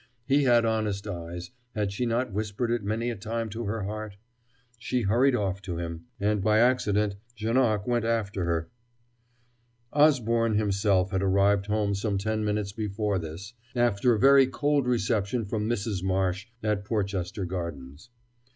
He had honest eyes had she not whispered it many a time to her heart? She hurried off to him.... And by accident Janoc went after her. Osborne himself had arrived home some ten minutes before this, after a very cold reception from Mrs. Marsh at Porchester Gardens.